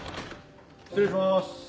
失礼します。